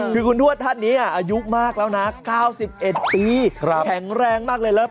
คือคุณทวดท่านนี้อายุมากแล้วนะ๙๑ปีแข็งแรงมากเลยแล้ว